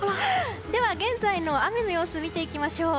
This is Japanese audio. では、現在の雨の様子を見ていきましょう。